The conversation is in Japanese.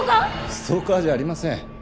ストーカーじゃありません。